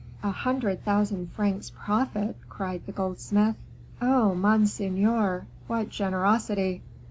"A hundred thousand francs profit!" cried the goldsmith. "Oh, monseigneur, what generosity!"